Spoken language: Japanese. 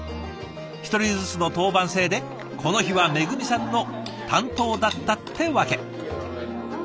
１人ずつの当番制でこの日はめぐみさんの担当だったってわけ。